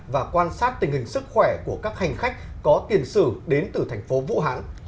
và quan sát tình hình sức khỏe của các hành khách có tiền sử đến từ thành phố vũ hán